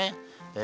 え